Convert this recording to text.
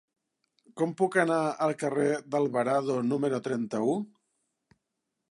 Com puc anar al carrer d'Alvarado número trenta-u?